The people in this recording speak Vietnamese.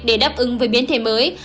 để đáp ứng với biến thể mới